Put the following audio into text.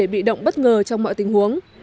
bị động bất ngờ trong mọi tình huống